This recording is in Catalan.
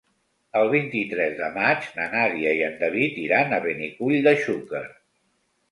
El vint-i-tres de maig na Nàdia i en David iran a Benicull de Xúquer.